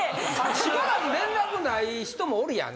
しばらく連絡ない人もおるやん。